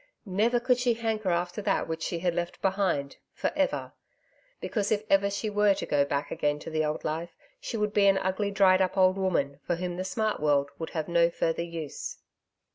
never could she hanker after that which she had left behind for ever. Because, if ever she were to go back again to the old life, she would be an ugly dried up old woman for whom the smart world would have no further use....